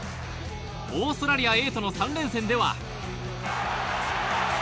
オーストラリアとの３連戦では。